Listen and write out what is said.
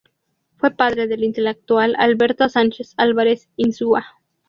Fue padre del intelectual Alberto Sánchez Álvarez-Insúa.